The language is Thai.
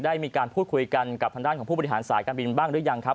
ได้มีการพูดคุยกันกับทางด้านของผู้บริหารสายการบินบ้างหรือยังครับ